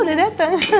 ah udah dateng